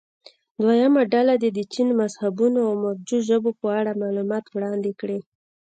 دویمه ډله دې د چین مذهبونو او مروجو ژبو په اړه معلومات وړاندې کړي.